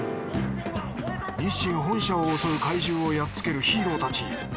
日清本社を襲う怪獣をやっつけるヒーローたち。